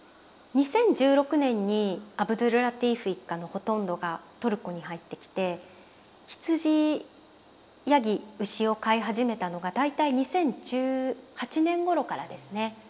２０１６年にアブドュルラティーフ一家のほとんどがトルコに入ってきて羊山羊牛を飼い始めたのが大体２０１８年ごろからですね。